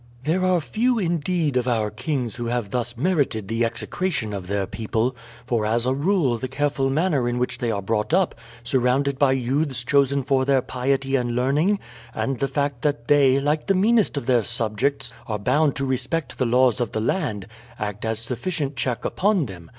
"There are few, indeed, of our kings who have thus merited the execration of their people, for as a rule the careful manner in which they are brought up, surrounded by youths chosen for their piety and learning, and the fact that they, like the meanest of their subjects, are bound to respect the laws of the land, act as sufficient check upon them.